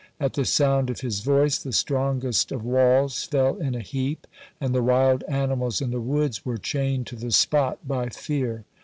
At the sound of his voice the strongest of walls fell in a heap, and the wild animals in the woods were chained to the spot by fear.